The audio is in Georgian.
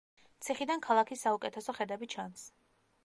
ციხიდან ქალაქის საუკეთესო ხედები ჩანს.